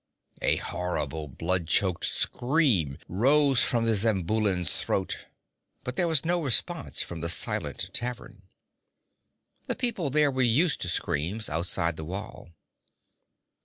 A horrible, blood choked scream rose from the Zamboulan's throat, but there was no response from the silent tavern. The people there were used to screams outside the wall.